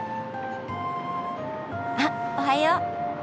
あっおはよう。